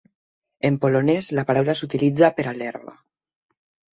En polonès, la paraula s'utilitza per a l'herba.